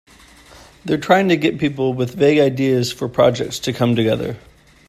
They're trying to get people with vague ideas for projects to come together.